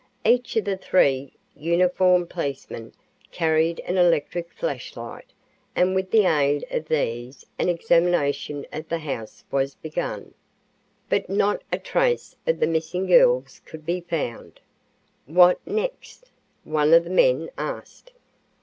Each of the three uniformed policemen carried an electric flashlight and with the aid of these an examination of the house was begun. But not a trace of the missing girls could be found. "What next?" one of the men asked.